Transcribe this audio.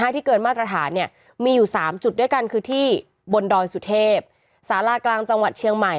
ที่เกินมาตรฐานมีอยู่๓จุดด้วยกันคือที่บนดอยสุเทพสารากลางจังหวัดเชียงใหม่